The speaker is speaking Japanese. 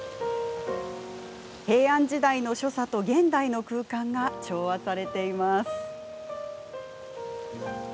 平安時代の所作と現代の空間が調和されています。